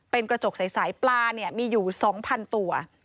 เป็นกระจกใสปลามีอยู่๒๐๐๐ตัว